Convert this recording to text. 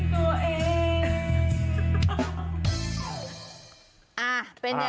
เพราะใครเป็นตัวเอง